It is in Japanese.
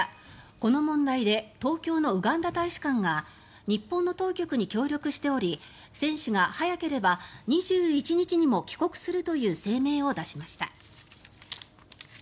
この問題で東京のウガンダ大使館が日本の当局に協力しており政府が早ければ２１日にも帰国するという声明を出しました。